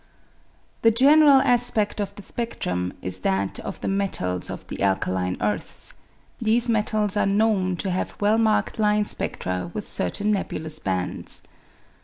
The general asped of the spedrum is that of the metals of the alkaline earths ; these metals are known to have well marked line spedra with certain nebulous bands.